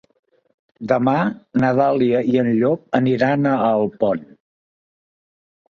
Demà na Dàlia i en Llop aniran a Alpont.